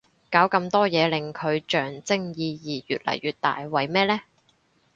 搞咁多嘢令佢象徵意義越嚟越大為乜呢